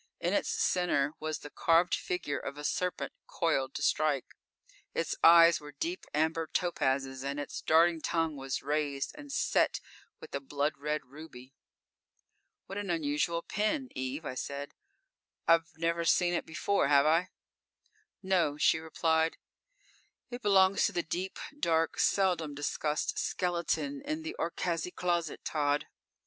In its center was the carved figure of a serpent coiled to strike. Its eyes were deep amber topazes and its darting tongue was raised and set with a blood red ruby._ "What an unusual pin, Eve," I said "I've never seen it before, have I?" _"No," she replied. "It belongs to the deep, dark, seldom discussed skeleton in the Orcaczy closet, Tod.